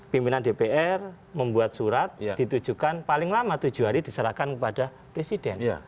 pimpinan dpr membuat surat ditujukan paling lama tujuh hari diserahkan kepada presiden